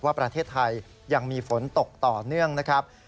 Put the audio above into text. ว่าประเทศไทยยังมีฝนตกต่อเนื่องนะครับ